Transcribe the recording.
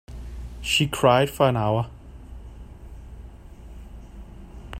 She cried for an hour.